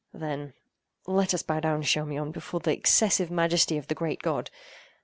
Then—let us bow down, Charmion, before the excessive majesty of the great God!